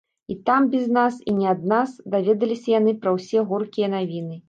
І там, без нас і не ад нас, даведаліся яны пра ўсе горкія навіны.